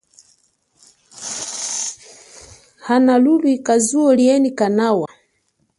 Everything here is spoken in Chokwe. Hanalulika zuwo lienyi kanawa.